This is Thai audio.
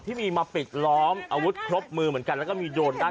ที่มีมาปิดล้อมอาวุธครบมือเหมือนกันแล้วก็มีโดรนด้าน